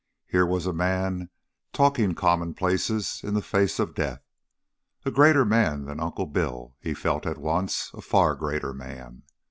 Here was a man talking commonplaces in the face of death. A greater man than Uncle Bill, he felt at once a far greater man.